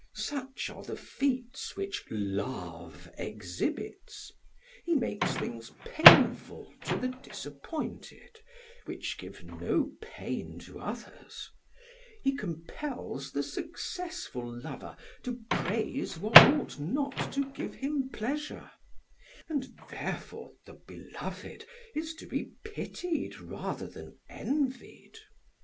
Such are the feats which love exhibits; he makes things painful to the disappointed which give no pain to others; he compels the successful lover to praise what ought not to give him pleasure, and therefore the beloved is to be pitied rather than envied.